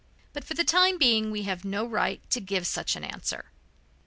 But for the time being we have no right to give such an answer.